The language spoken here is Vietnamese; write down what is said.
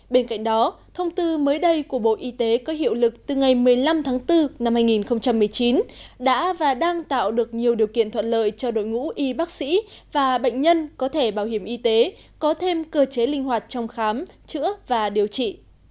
bên cạnh đó thông tư mới đây của bộ y tế có hiệu lực từ ngày một mươi năm tháng bốn năm hai nghìn một mươi chín đã và đang tạo được nhiều điều kiện thuận lợi cho đội ngũ y bác sĩ và bệnh nhân có thể bảo hiểm y tế có thêm cơ chế linh hoạt trong khám chữa và điều trị